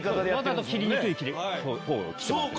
わざと切りにくい方を切ってますね。